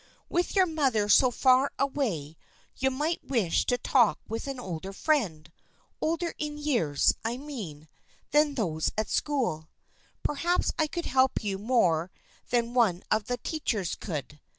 With your mother so far away you might wish to talk with an older friend — older in years, I mean — than those at school. Perhaps I could help you more than one of the teachers could.